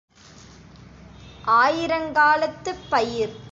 ‘ஆயிரங்காலத்துப் பயிர்’